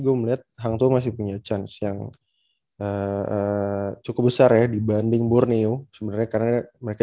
gue melihat hangtu masih punya chance yang cukup besar ya dibanding borneo sebenarnya karena mereka